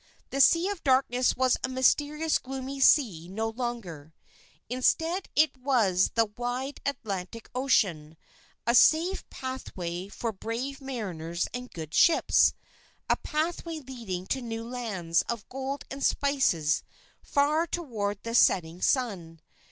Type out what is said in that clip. The Sea of Darkness was a mysterious gloomy sea no longer, instead it was the wide Atlantic Ocean, a safe pathway for brave mariners and good ships, a pathway leading to new lands of gold and spices far toward the setting sun.